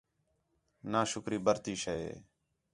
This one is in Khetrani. نا شُکری بَرتی شے ہِے